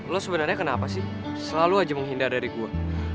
lo sebenarnya kenapa sih selalu aja menghindar dari gue